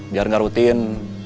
biar enggak rutin